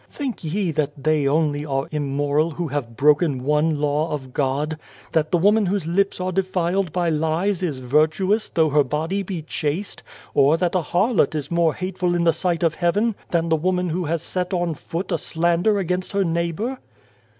Think ye that they only are ' immoral ' who have broken one law of God ? that the woman whose lips are defiled by lies is ' virtuous ' though her body be chaste, or that a harlot is more hateful in the sight of Heaven than the woman who has set on foot a slander against her neigh bour